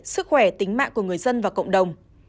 sức khỏe tính mạng của người dân và cộng đồng